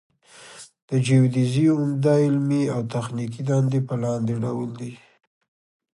د جیودیزي عمده علمي او تخنیکي دندې په لاندې ډول دي